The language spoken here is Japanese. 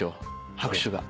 拍手が。